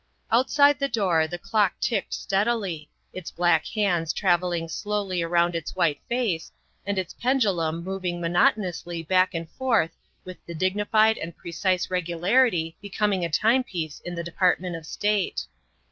Outside the door the clock ticked steadily, its black hands travelling slowly around its white face and its pendulum moving monotonously back and forth with the dignified and precise regularity becoming a time piece in the Department of State.